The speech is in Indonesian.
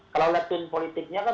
kalau latin politiknya kan